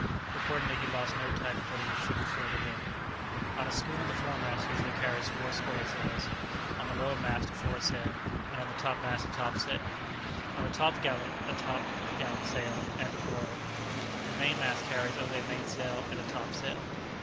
Accordingly he lost no time in putting his ship before the wind. On a schooner the fore mast usually carries four square sails; on the lower mast a fore sail; on the top mast a top sail; on the top gallant a top gallant sail and a royal. The main mast carries only a main sail and a top sail.